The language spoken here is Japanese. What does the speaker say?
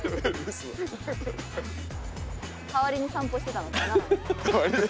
代わりに散歩してたのかな？